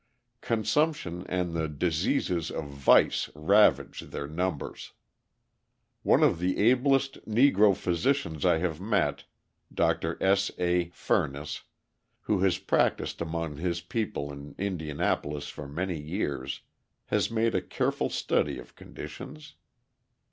Consumption and the diseases of vice ravage their numbers. One of the ablest Negro physicians I have met, Dr. S. A. Furniss, who has practised among his people in Indianapolis for many years, has made a careful study of conditions.